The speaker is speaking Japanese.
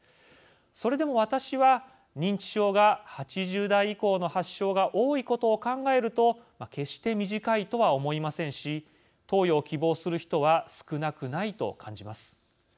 それでも私は、認知症が８０代以降の発症が多いことを考えると決して短いとは思いませんし投与を希望する人は少なくないと感じます。